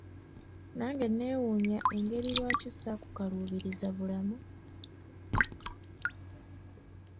Nange neewuunya engeri lwaki saakukaluubiriza bulamu?